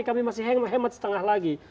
kami masih hemat setengah lagi